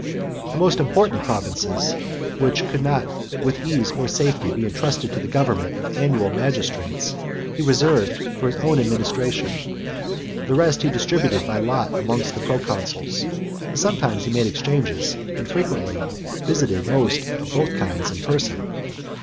XLVII. The more important provinces, which could not with ease or safety be entrusted to the government of annual magistrates, he reserved for his own administration: the rest he distributed by lot amongst the proconsuls: but sometimes he made exchanges, and frequently visited most of both kinds in person.